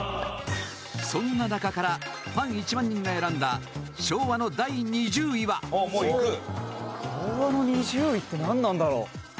そんな中からファン１万人が選んだ昭和の第２０位は宮田：昭和の２０位ってなんなんだろう？